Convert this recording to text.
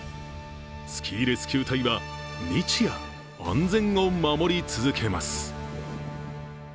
スキーレスキュー隊は日夜、安全を守り続けます。